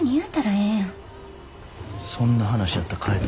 そんな話やったら帰る。